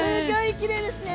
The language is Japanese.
きれいですね！